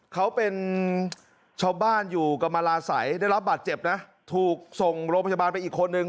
เขาเป็นชาวบ้านอยู่กรรมราศัยได้รับบาดเจ็บนะถูกส่งโรงพยาบาลไปอีกคนนึง